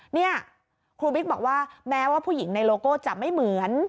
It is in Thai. เนี่ยครูบิ๊กบอกว่าแม้ว่าผู้หญิงในโลโก้จะไม่เหมือน